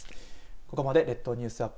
ここまで列島ニュースアップ